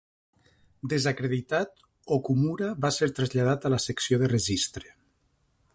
Desacreditat, Okumura va ser traslladat a la secció de registre.